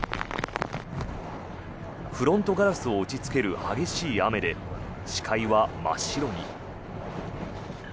フロントガラスを打ちつける激しい雨で視界は真っ白に。